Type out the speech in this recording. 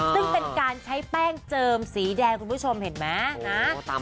ซึ่งเป็นการใช้แป้งเจิมสีแดงคุณผู้ชมเห็นไหมนะ